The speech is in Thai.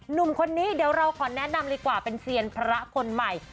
หนุ่มคนนี้เดี๋ยวเราขอแนะนำดีกว่าเป็นเซียนพระคนใหม่